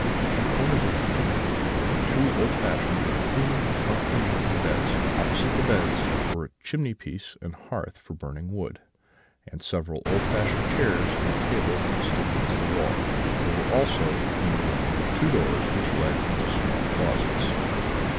In two corners of the room were two old fashioned but clean and comfortable looking beds; opposite the beds were a chimney piece and hearth for burning wood; and several old fashioned chairs and a table stood against the wall; there were also in the room two doors, which led into small closets.